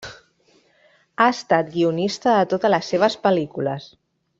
Ha estat guionista de totes les seves pel·lícules.